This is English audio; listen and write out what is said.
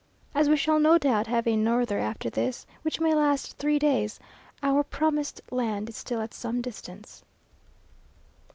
As we shall no doubt have a norther after this, which may last three days, our promised land is still at some distance.